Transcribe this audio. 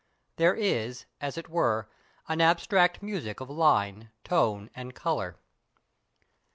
There is, as it were, an abstract music of line, tone, and colour.